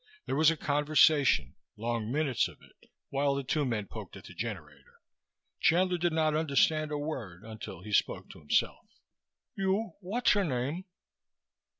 There was a conversation, long minutes of it, while the two men poked at the generator. Chandler did not understand a word until he spoke to himself: "You what's your name."